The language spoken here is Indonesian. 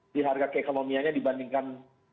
di harga keekonomianya dibandingkan